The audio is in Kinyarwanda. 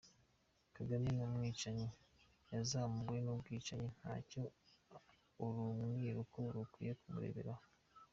Kagame ni umwicanyi, yazamuwe n’ubwicanyi, ntacyo urubwiruko rukwiye kumureberaho.